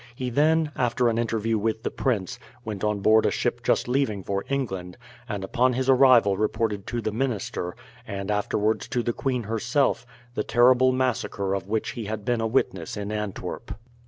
He then, after an interview with the prince, went on board a ship just leaving for England, and upon his arrival reported to the minister, and afterwards to the queen herself, the terrible massacre of which he had been a witness in Antwerp.